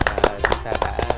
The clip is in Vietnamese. chúng ta đã